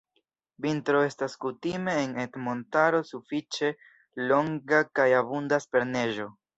Vintro estas kutime en Ercmontaro sufiĉe longa kaj abundas per neĝo.